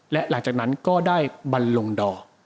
และหลังจากนั้นก็ได้บรรลงดอ